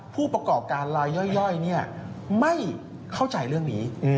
ผู้ประกอบการลายย่อยไม่เข้าใจเรื่องนี้